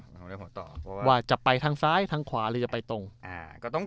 เราได้หัวตอบเพราะว่าจะไปทางซ้ายทางขวาหรือจะไปตรงอ่าก็ต้อง